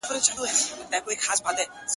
مګر وږی ولس وایې؛ له چارواکو مو ګیله ده،